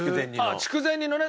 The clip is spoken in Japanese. ああ筑前煮のね。